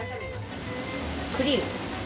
クリーム。